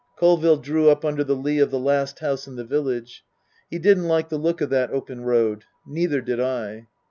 Colville drew up under the lee of the last house in the village. He didn't like the look of that open road. Neither did I.